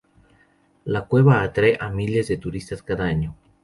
La cueva atrae a miles de turistas cada año.